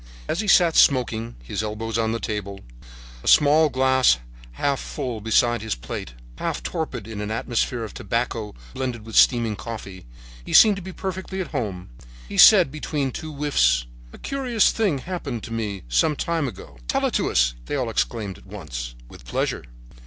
As he sat smoking, his elbows on the table, a petit verre half full beside his plate, half torpid in an atmosphere of tobacco blended with steaming coffee, he seemed to be perfectly at home. He said between two whiffs: "A curious thing happened to me some time ago." "Tell it to us," they all exclaimed at once. "With pleasure.